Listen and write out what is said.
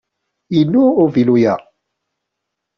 Inu uvilu-a.